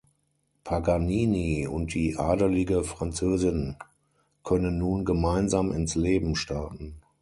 Paganini und die adelige Französin können nun gemeinsam ins Leben starten.